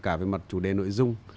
cả về mặt chủ đề nội dung